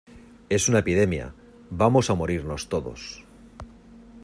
es una epidemia, vamos a morirnos todos.